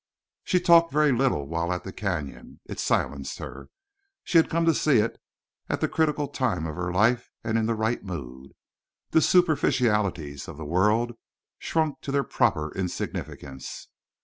She talked very little while at the Canyon. It silenced her. She had come to see it at the critical time of her life and in the right mood. The superficialities of the world shrunk to their proper insignificance.